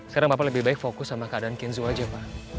sekarang bapak lebih baik fokus sama keadaan kinzo aja pak